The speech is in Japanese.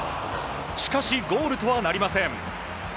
しかし、ゴールとはなりません。